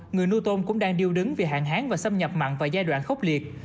người nuôi tôm cũng đang điêu đứng vì hạn hán và xâm nhập mặn vào giai đoạn khốc liệt